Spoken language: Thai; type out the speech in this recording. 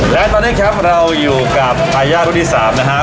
และตอนนี้ครับเราอยู่กับทายาทรุ่นที่๓นะฮะ